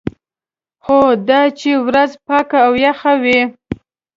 خو دا چې ورځ پاکه او یخه وي.